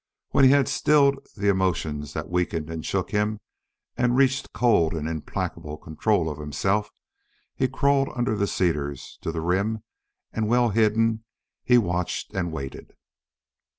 When he had stilled the emotions that weakened and shook him and reached cold and implacable control of himself, he crawled under the cedars to the rim and, well hidden, he watched and waited.